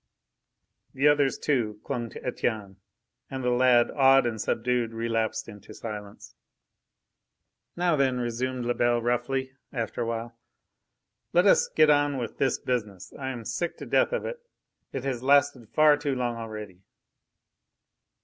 The others, too, clung to Etienne, and the lad, awed and subdued, relapsed into silence. "Now then," resumed Lebel roughly, after a while, "let us get on with this business. I am sick to death of it. It has lasted far too long already."